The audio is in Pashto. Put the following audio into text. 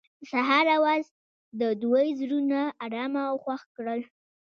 د سهار اواز د دوی زړونه ارامه او خوښ کړل.